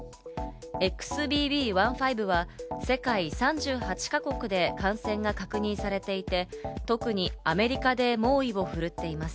ＸＢＢ．１．５は世界３８か国で感染が確認されていて、特にアメリカで猛威を振るっています。